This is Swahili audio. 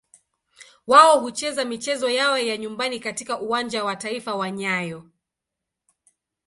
Wao hucheza michezo yao ya nyumbani katika Uwanja wa Taifa wa nyayo.